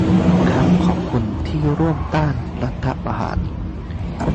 ครับ ขอบคุณที่ร่วมต้านรัฐประหาร